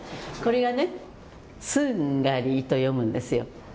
これがね、スンガリーと読むんですよ。